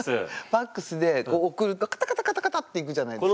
ファックスで送るとカタカタカタカタっていくじゃないですか。